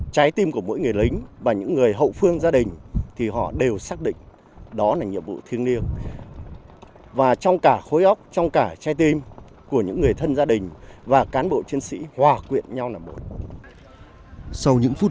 sau những phút giây ấm cúng như thế này giúp họ có thêm động lực để vượt sóng bảo vệ chủ quyền biển đảo của tổ quốc